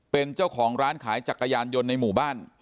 เป็นเจ้าของร้านขายจักรยานยนต์ในหมู่บ้าน